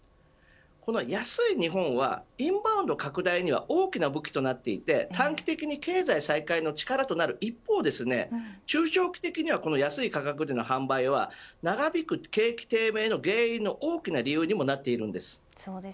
この安い日本はインバウンド拡大には大きな武器となっていて短期的には経済再開の力となる一方中長期的にはこの安い価格での販売は長引く景気低迷の原因の大きな理由にもなっているんです。